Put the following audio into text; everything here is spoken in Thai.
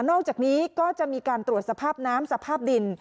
นอกจากนี้ก็จะมีการตรวจสภาพน้ำสภาพดิน